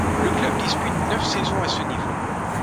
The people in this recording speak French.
Le club dispute neuf saisons à ce niveau.